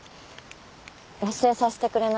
忘れさせてくれないの。